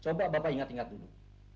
coba bapak ingat ingat dulu